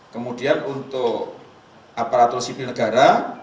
kemudian untuk aparatur sipil negara